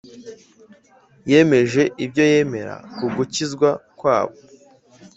Yahamije ibyo yemera ku gukizwa kwabo,